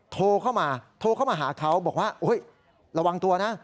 โทรเข้ามาโทรเข้ามาหาเขาบอกว่าระวังตัวนะ